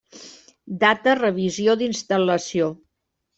Data revisió d'instal·lació.